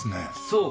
そう！